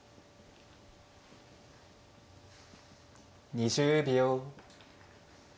２０秒。